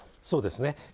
そうですね。